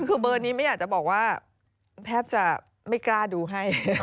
คือเบอร์นี้ไม่อยากจะบอกว่าแทบจะไม่กล้าดูให้